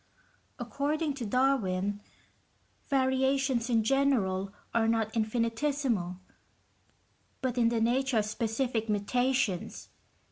"According to Darwin, variations in general are not infinitesimal, but in the nature of specific mutations.